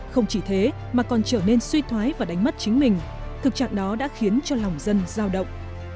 không chỉ thế mà còn trở nên suy thoái và đánh mất chính mình thực trạng đó đã khiến cho lòng dân giao động